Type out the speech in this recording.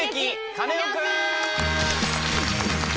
カネオくん」！